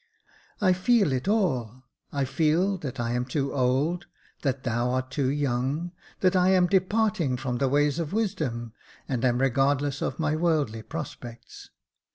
I feel it all — I feel that I am too old — that thou art too young — that I am departing from the ways of wisdom, and am regardless of my worldly prospects.